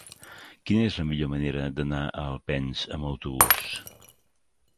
Quina és la millor manera d'anar a Alpens amb autobús?